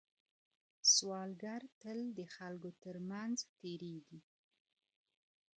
سوالګر تل د خلکو تر منځ تېرېږي